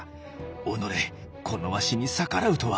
おのれこのわしに逆らうとは」。